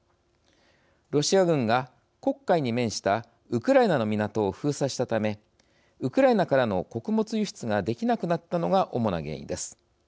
ロシア軍が黒海に面したウクライナの港を封鎖したためウクライナからの穀物輸出ができなくなったのが主な原因です。